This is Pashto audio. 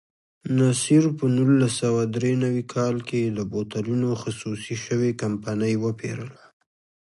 نصیر په نولس سوه درې نوي کال کې د بوتلونو خصوصي شوې کمپنۍ وپېرله.